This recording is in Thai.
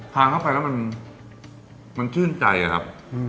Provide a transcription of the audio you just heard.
ทานเข้าไปแล้วมันชื่นใจอะครับ